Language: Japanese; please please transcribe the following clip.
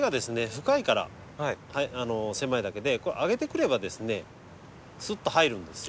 深いから狭いだけで上げてくればですねすっと入るんですよ。